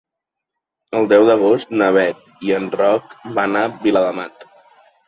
El deu d'agost na Bet i en Roc van a Viladamat.